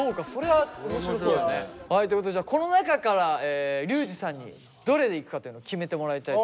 はいということでこの中からリュウジさんにどれでいくかっていうのを決めてもらいたい。